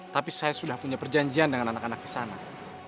tapi saya sudah punya perjanjian dengan anak anak kisanak